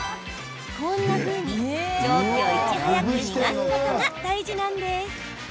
こんなふうに蒸気をいち早く逃がすことが大事なんです。